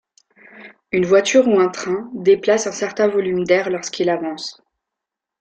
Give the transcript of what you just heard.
Une voiture ou un train déplace un certain volume d'air lorsqu'il avance.